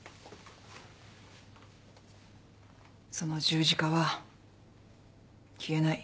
その十字架は消えない。